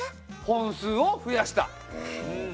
本数を増やした！